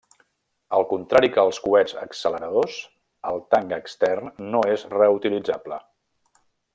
Al contrari que els coets acceleradors, el tanc extern no és reutilitzable.